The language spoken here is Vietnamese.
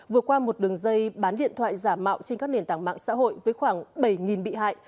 vừa qua một đường dây bán điện thoại giả mạo trên các nền tảng mạng xã hội với khoảng bảy bị hại